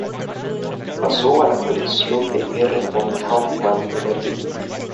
Pasó a la colección R. von Kaufmann de Berlín.